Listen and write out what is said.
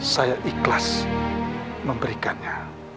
saya ikhlas memberikannya